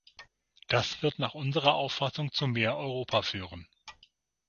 Das wird nach unserer Auffassung zu mehr Europa führen.